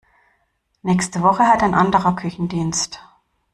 Nächste Woche hat ein anderer Küchendienst.